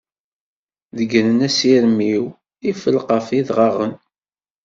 Deggren asirem-iw, ifelleq ɣef yidɣaɣen.